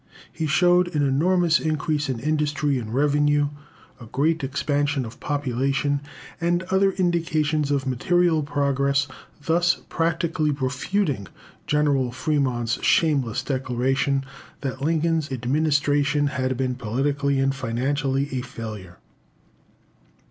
He showed an enormous increase in industry and revenue, a great expansion of population, and other indications of material progress; thus practically refuting General Fremont's shameless declaration that Lincoln's "administration had been, politically and financially, a failure."